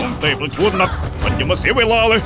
ต้องเต้ประชวนหนักท่านอย่ามาเสียเวลาเลย